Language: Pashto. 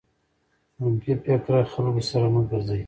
منفي فکره خلکو سره مه ګرځٸ.